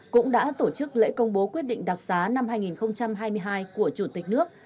cũng đã tổ chức lễ công bố quyết định đặc xá năm hai nghìn hai mươi hai của chủ tịch nước